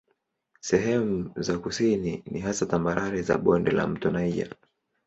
Sehemu za kusini ni hasa tambarare za bonde la mto Niger.